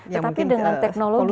tetapi dengan teknologi